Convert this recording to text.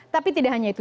tapi tidak hanya itu